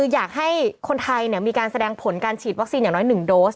อยากให้คนไทยมีการแสดงผลการฉีดวัคซีนอย่างน้อย๑โดส